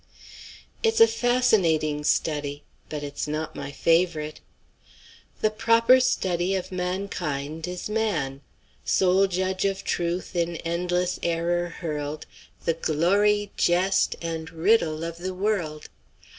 It's a fascinating study. But it's not my favorite. 'The proper study of mankind is man. Sole judge of truth, in endless error hurled, The glory, jest, and riddle of the world!'